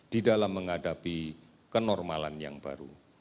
di dalam menghadapi kenormalan yang baru